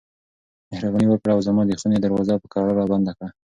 مهرباني وکړه او زما د خونې دروازه په کراره بنده کړه.